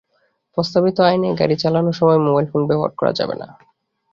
প্রস্তাবিত আইনে গাড়ি চালানোর সময় মোবাইল ফোন ব্যবহার করা যাবে না।